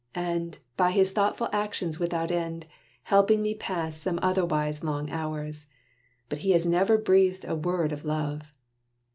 And, by his thoughtful actions without end, Helping me pass some otherwise long hours; But he has never breathed a word of love.